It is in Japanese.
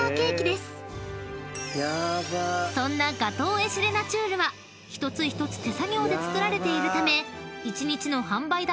［そんなガトー・エシレナチュールは一つ一つ手作業で作られているため］